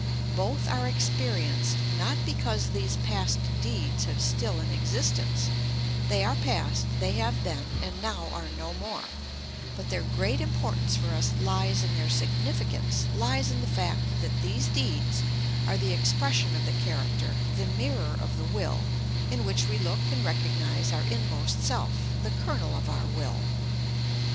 Both are experienced, not because these past deeds have still an existence; they are past, they have been, and now are no more; but their great importance for us lies in their significance, lies in the fact that these deeds are the expression of the character, the mirror of the will, in which we look and recognise our inmost self, the kernel of our will.